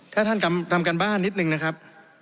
ถ้าท่านทำการบ้านนิดนึงนะครับ